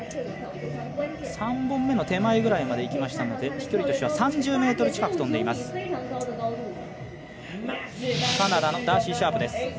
３本目の手前ぐらいまでいきましたので飛距離としては３０ｍ近くとんでいます。